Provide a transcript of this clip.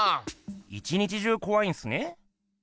一日中こわいんすね？